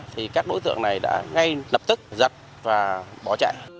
thì các đối tượng này đã ngay lập tức giật và bỏ chạy